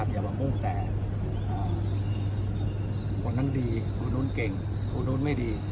อย่าว่ามุ่งแต่คนทั้งดีคนโน้นเก่งคนโน้นไม่ดี